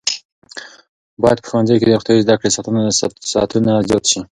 باید په ښوونځیو کې د روغتیايي زده کړو ساعتونه زیات شي.